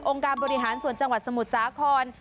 การบริหารส่วนจังหวัดสมุทรสาคร